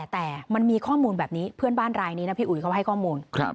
แต่มันมีข้อมูลแบบนี้เพื่อนบ้านรายนี้นะพี่อุ๋ยเขาให้ข้อมูล